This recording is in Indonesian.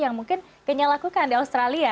yang mungkin kenyal lakukan di australia